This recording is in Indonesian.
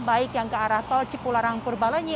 baik yang ke arah tol cipularang purbalenyi